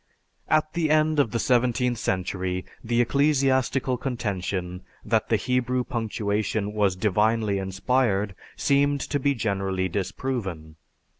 At the end of the seventeenth century, the ecclesiastical contention that the Hebrew punctuation was divinely inspired seemed to be generally disproven.